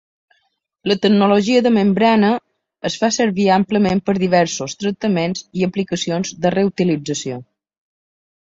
La tecnologia de membrana es fa servir àmpliament per diversos tractaments i aplicacions de reutilització.